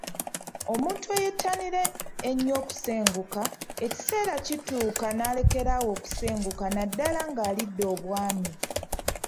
Omuntu eyeettanira ennyo okusenguka, ekiseera kituuka n’alekera awo okusenguka naddala ng’alidde obwami.